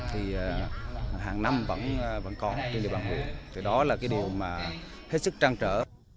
thì hàng năm vẫn có trên địa bàn huyện đó là điều hết sức trang trở